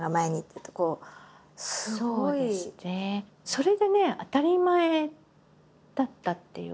すごい。それがね当たり前だったっていうか。